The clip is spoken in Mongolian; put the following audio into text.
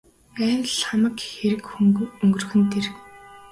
Айвал л хамаг хэрэг өнгөрөх нь тэр.